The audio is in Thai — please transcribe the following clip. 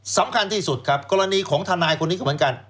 สำคัญที่สุดครับกรณีของทนายคนนี้ก็เหมือนกัน